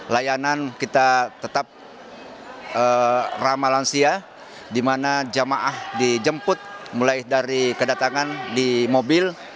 layanan kita tetap ramah lansia di mana jemaah dijemput mulai dari kedatangan di mobil